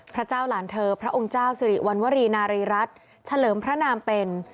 พระเจ้าหลานเธอพระองค์เจ้าสิริวัณวรีนารีรัฐเฉลิมพระนามเป็น